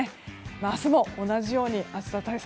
明日も同じように暑さ対策